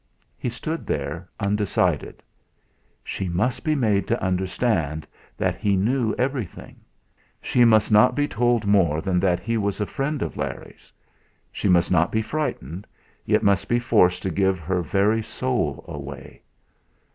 He stood there undecided. She must be made to understand that he knew everything. She must not be told more than that he was a friend of Larry's. She must not be frightened, yet must be forced to give her very soul away.